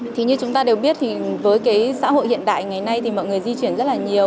thì như chúng ta đều biết thì với cái xã hội hiện đại ngày nay thì mọi người di chuyển rất là nhiều